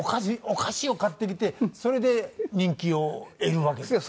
お菓子を買ってきてそれで人気を得るわけですよ。